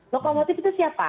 lokomotif itu siapa